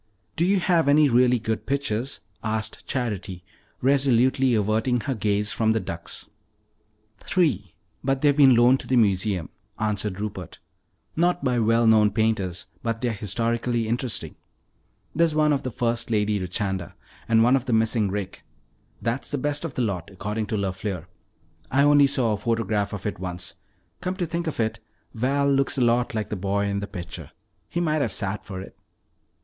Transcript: "Do you have any really good pictures?" asked Charity, resolutely averting her gaze from the ducks. "Three, but they've been loaned to the museum," answered Rupert. "Not by well known painters, but they're historically interesting. There's one of the first Lady Richanda, and one of the missing Rick. That's the best of the lot, according to LeFleur. I saw a photograph of it once. Come to think about it, Val looks a lot like the boy in the picture. He might have sat for it."